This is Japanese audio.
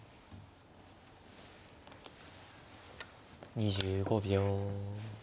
２５秒。